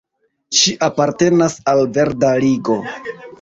Ŝi apartenas al verda Ligo.